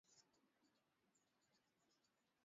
Albamu yake ya mwaka wa elfu moja mia tisa themanini na mbili